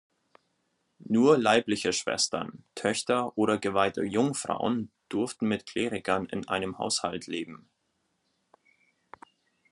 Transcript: Nur leibliche Schwestern, Töchter oder geweihte Jungfrauen durften mit Klerikern in einem Haushalt leben.